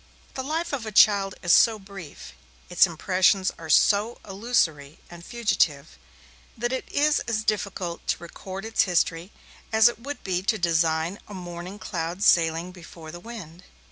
The life of a child is so brief, its impressions are so illusory and fugitive, that it is as difficult to record its history as it would be to design a morning cloud sailing before the wind.